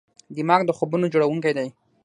دماغ د خوبونو جوړونکی دی.